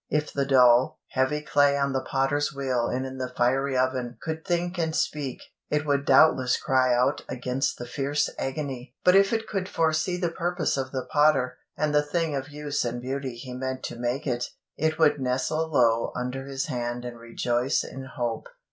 If the dull, heavy clay on the potter's wheel and in the fiery oven could think and speak, it would doubtless cry out against the fierce agony; but if it could foresee the purpose of the potter, and the thing of use and beauty he meant to make it, it would nestle low under his hand and rejoice in hope.